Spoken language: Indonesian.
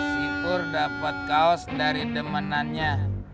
sipur dapat kaos dari demenannya